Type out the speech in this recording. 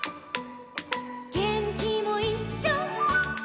「げんきもいっしょ」